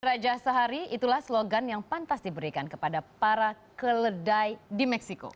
raja sehari itulah slogan yang pantas diberikan kepada para keledai di meksiko